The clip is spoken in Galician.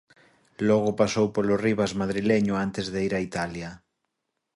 Logo pasou polo Rivas madrileño antes de ir a Italia.